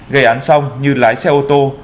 gây án xong như lái xe ô tô